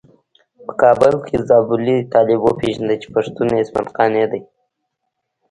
په کابل کې زابلي طالب وپيژانده چې پښتون عصمت قانع دی.